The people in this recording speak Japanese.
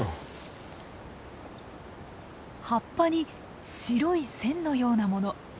葉っぱに白い線のようなもの。